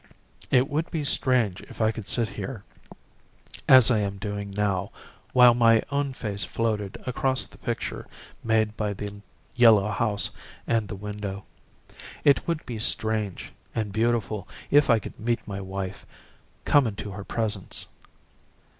It would be strange if I could sit here, as I am doing now, while my own face floated across the picture made by the yellow house and the window. It would be strange and beautiful if I could meet my wife, come into her presence.